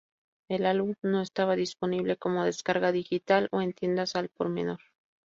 El álbum no estaba disponible como descarga digital o en tiendas al por menor.